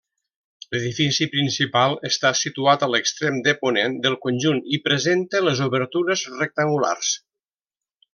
L'edifici principal està situat a l'extrem de ponent del conjunt i presenta les obertures rectangulars.